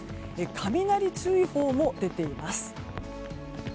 雷注意報も出ています。